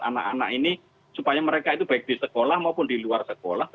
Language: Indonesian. anak anak ini supaya mereka itu baik di sekolah maupun di luar sekolah